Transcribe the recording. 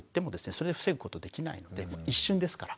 それで防ぐことできないので一瞬ですから。